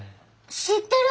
知ってる！